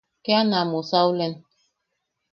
Kea na musaulen.